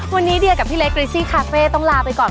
วันนี้เดียกับพี่เล็กกริซี่คาเฟ่ต้องลาไปก่อน